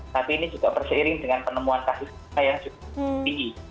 tapi ini juga berseiring dengan penemuan kasus kita yang cukup tinggi